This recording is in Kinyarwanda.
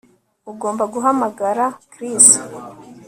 Ugomba guhamagara Chris